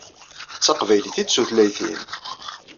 D taqbaylit i d tutlayt-im.